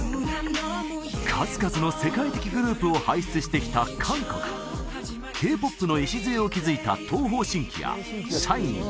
数々の世界的グループを輩出してきた韓国Ｋ−ＰＯＰの礎を築いた東方神起やＳＨＩＮｅｅ